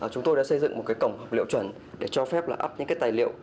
chúng tôi đã xây dựng một cổng học liệu chuẩn để cho phép ấp những tài liệu